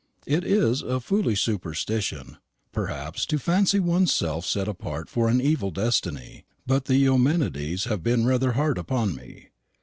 It is a foolish superstition, perhaps, to fancy one's self set apart for an evil destiny; but the Eumenides have been rather hard upon me.